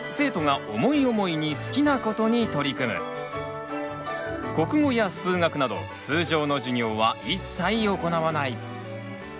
この学校では国語や数学など通常の授業は一切行わない。